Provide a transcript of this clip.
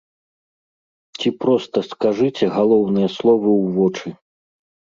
Ці проста скажыце галоўныя словы ў вочы.